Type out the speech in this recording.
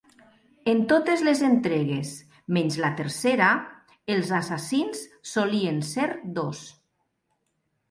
En totes les entregues, menys la tercera, els assassins solien ser dos.